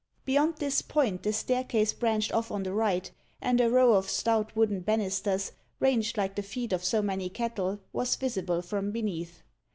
Beyond this point the staircase branched off on the right, and a row of stout wooden banisters, ranged like the feet of so many cattle, was visible from beneath.